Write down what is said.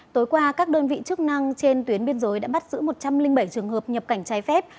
tối qua các đơn vị chức năng trên tuyến biên giới đã bắt giữ một trăm linh bảy trường hợp nhập cảnh trái phép